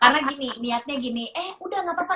karena gini niatnya gini eh udah gak apa apa